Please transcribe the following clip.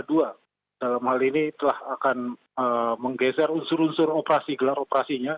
dalam hal ini telah akan menggeser unsur unsur operasi gelar operasinya